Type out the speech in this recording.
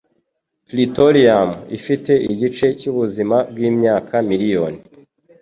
Plutonium- ifite igice cyubuzima bwimyaka miriyoni